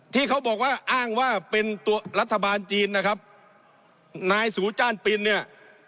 ที่เขาบอกว่าอ้างว่าเป็นตัวรัฐบาลจีนนะครับนายสูจ้านปินเนี่ย